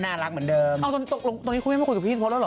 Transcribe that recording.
ยังพึ่งเบรคคุณแม่ตรงนี่